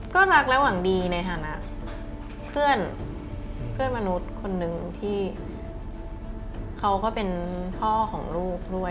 ก็รักและหวังดีในฐานะเพื่อนมนุษย์คนนึงที่เขาก็เป็นพ่อของลูกด้วย